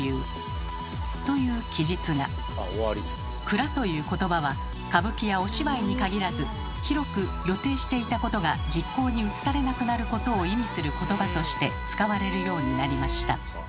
「くら」という言葉は歌舞伎やお芝居に限らず広く予定していたことが実行に移されなくなることを意味する言葉として使われるようになりました。